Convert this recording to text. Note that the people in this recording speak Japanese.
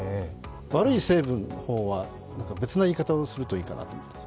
悪い成分の方は別の言い方をするといいかなと思う。